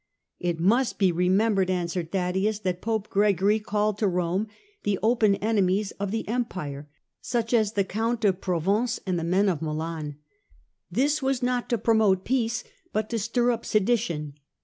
"'It must be remembered," answered Thaddaeus, " that Pope Gregory called to Rome the open enemies of the Empire, such as the Count of Provence and the men of Milan. This was not to promote peace but to stir up sedition.